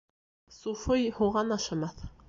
Суфый һуған ашамаҫ